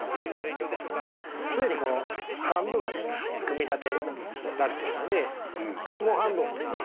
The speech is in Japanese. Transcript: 既にこの半分がですね組み立てられてるのでもう半分をですね